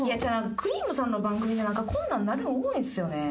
くりぃむさんの番組でこんなんなるの多いんですよね。